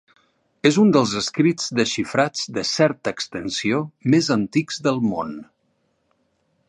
És un dels escrits desxifrats, de certa extensió, més antics del món.